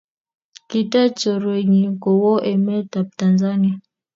kitaach chorwenyin kowo emet ab Tanzania